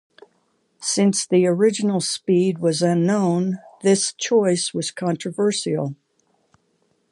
Since the original speed was unknown this choice was controversial.